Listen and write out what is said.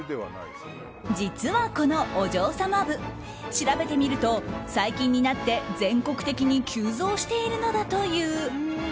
実はこのお嬢様部、調べてみると最近になって全国的に急増しているのだという。